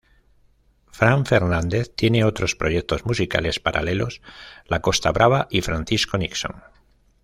Fran Fernández tiene otros proyectos musicales paralelos: La Costa Brava y Francisco Nixon.